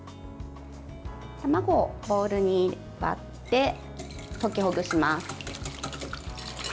卵をボウルに割って溶きほぐします。